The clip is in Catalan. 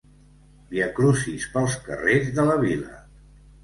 Viacrucis pels carrers de la vila.